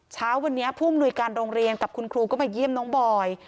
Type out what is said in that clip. เช้าวันนี้ผู้อำนวยการโรงเรียนกับคุณครูก็มาเยี่ยมน้องบอย